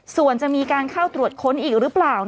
ส่วนจะมีการเข้าตรวจค้นอีกหรือเปล่า